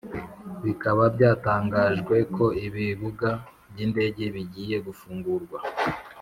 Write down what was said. bikaba byatangajwe ko ibibuga byindege bigiye gufungurwa